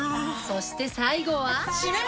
そして最後は。